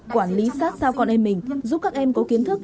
quản lý sát sao con em mình giúp các em có kiến thức